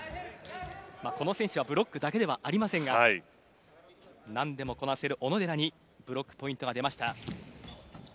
この選手はブロックだけではありませんがなんでもこなせる小野寺にブロックポイントが出ました。